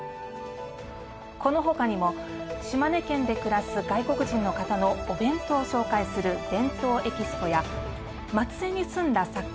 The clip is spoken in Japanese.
この他にも島根県で暮らす外国人の方のお弁当を紹介する「ＢＥＮＴＯＥＸＰＯ」や松江に住んだ作家